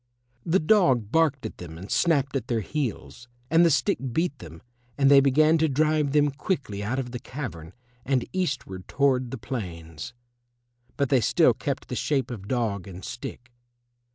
The dog barked at them and snapped at their heels, and the stick beat them, and they began to drive them quickly out of the cavern and eastward toward the plains. But they still kept the shape of dog and stick.